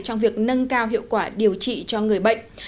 trong việc nâng cao hiệu quả điều trị cho người bệnh